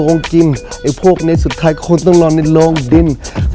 นี้พวกนี้สุดท้ายควรต้องรอในโรงดิน